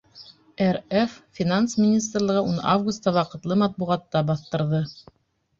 РФ Финанс министрлығы уны августа ваҡытлы матбуғатта баҫтырҙы.